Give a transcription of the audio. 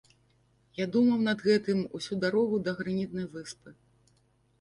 Я думаў над гэтым усю дарогу да гранітнай выспы.